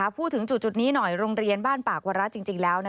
พูดถึงจุดนี้หน่อยโรงเรียนบ้านปากวาระจริงแล้ว